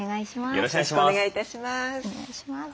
よろしくお願いします。